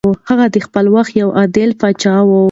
هغه د خپل وخت یو عادل پاچا و.